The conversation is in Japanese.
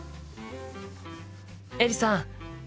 エリさん。